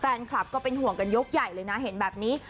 แฟนคลับก็เป็นห่วงกันยกใหญ่เลยนะเห็นแบบนี้